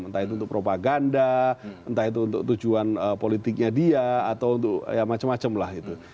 entah itu untuk propaganda entah itu untuk tujuan politiknya dia atau untuk ya macam macam lah gitu